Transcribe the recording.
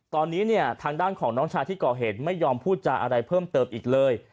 ตอนนี้เนี่ยทางด้านของน้องชายที่ก่อเหตุไม่ยอมพูดจาอะไรเพิ่มเติมอีกเลย